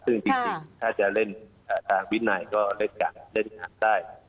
ซึ่งจริงถ้าจะเล่นทางวินัยก็เล่นกัดเล่นหนักได้